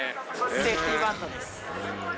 セーフティーバントです。